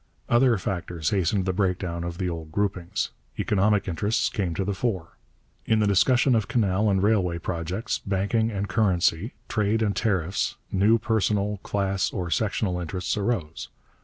Other factors hastened the breakdown of the old groupings. Economic interests came to the fore. In the discussion of canal and railway projects, banking and currency, trade and tariffs, new personal, class, or sectional interests arose.